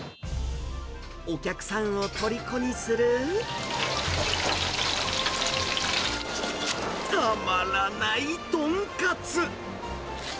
お客さんをとりこにする、たまらない豚カツ。